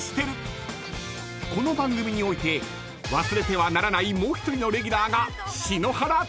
［この番組において忘れてはならないもう１人のレギュラーが篠原ともえ］